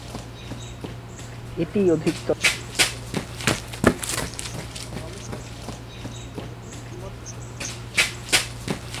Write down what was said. এটিই অধিকতর সঙ্গত বলে মনে করেছেন ঐতিহাসিক রমেশ মজুমদার, কিন্তু অনেকেই দ্বিমত পোষণ করেছেন।